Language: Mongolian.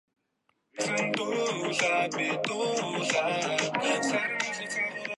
Гидролизын урвалыг ашиглан хамгийн хурдан үйлчилдэг уургийн хэлбэрийг гарган авчээ.